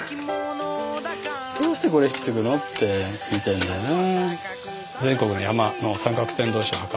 「どうしてこれひっつくの？」って言いたいんだよね。